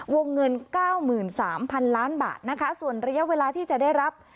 วงเงินเก้าหมื่นสามพันล้านบาทนะคะส่วนระยะเวลาที่จะได้รับ